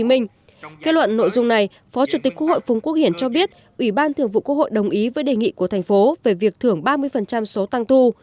kết luận nội dung này phó chủ tịch quốc hội phùng quốc hiển cho biết ủy ban thường vụ quốc hội đồng ý với đề nghị của thành phố về việc thưởng ba mươi số tăng thu